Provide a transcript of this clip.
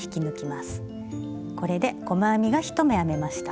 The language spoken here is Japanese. これで細編みが１目編めました。